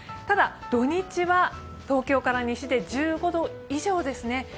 ただ、土日は東京から西で１５度以上ですね。